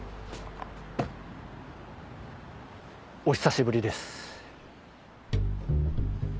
お久しぶりです。